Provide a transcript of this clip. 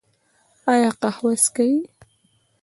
ایا قهوه څښئ؟